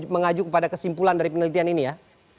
mengajuk pada kesimpulan dari penelitian ini ya